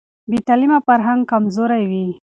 بې تعلیمه فرهنګ کمزوری وي.